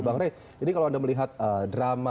bang rey ini kalau anda melihat drama